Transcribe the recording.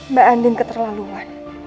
mbak andin keterlaluan